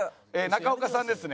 中岡さんですね。